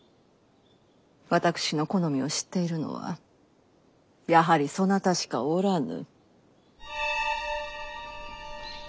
私の好みを知っているのはやはりそなたしかおらぬ。